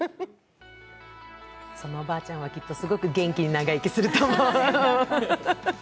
そのおばあちゃんは、きっとすごく元気で長生きすると思う。